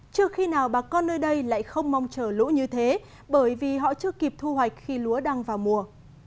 trước khi nào bà con nơi đây lại không mong chờ lũ như thế bởi vì họ chưa kịp thu hoạch khi lúa đang vào mùa